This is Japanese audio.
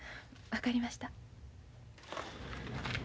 分かりました。